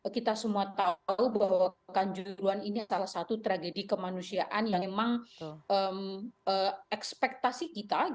kita semua tahu bahwa kanjuruan ini salah satu tragedi kemanusiaan yang memang ekspektasi kita